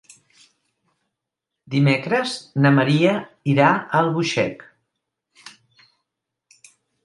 Dimecres na Maria irà a Albuixec.